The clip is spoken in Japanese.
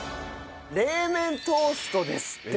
冷麺トーストですって。